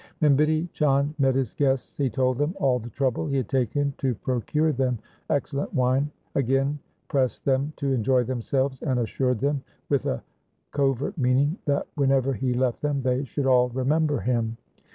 When Bidhi Chand met his guests he told them all the trouble he had taken to procure them excellent wine, again pressed them to enjoy themselves, and assured them, with a covert meaning, that whenever he left them they should all remember him.